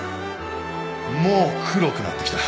もう黒くなってきた。